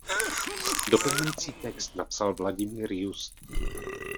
Doplňující text napsal Vladimír Just.